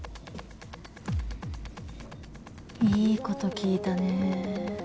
いいこと聞いたね。